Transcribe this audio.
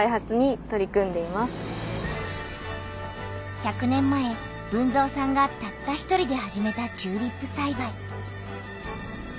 １００年前豊造さんがたった１人で始めたチューリップさいばい。